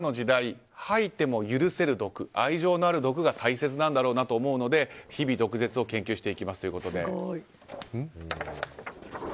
ただ、きみまろさんこうおっしゃってこれからの時代吐いても許せる毒愛情のある毒が大切なんだろうなと思うので日々、毒舌を研究していきますということで。